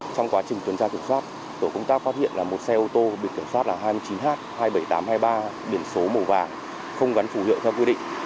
trong quá trình tuần tra kiểm soát tổ công tác phát hiện là một xe ô tô biển kiểm soát là hai mươi chín h hai mươi bảy nghìn tám trăm hai mươi ba biển số màu vàng không gắn phủ hiệu theo quy định